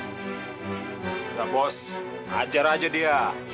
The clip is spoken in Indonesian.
udah bos ajar aja dia